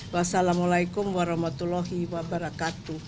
wassalamualaikum warahmatullahi wabarakatuh